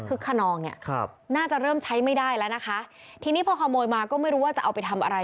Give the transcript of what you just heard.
คนนองเนี่ยครับน่าจะเริ่มใช้ไม่ได้แล้วนะคะทีนี้พอขโมยมาก็ไม่รู้ว่าจะเอาไปทำอะไร